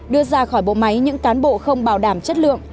đưa ra khỏi bộ máy những cán bộ không bảo đảm chất lượng